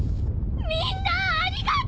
みんなありがとう！